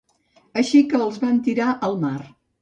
Així que els van tirar al mar.